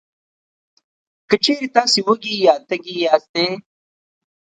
که چېرې تاسې وږي یا تږي یاستی،